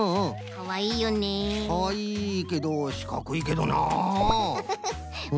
かわいいけどしかくいけどな。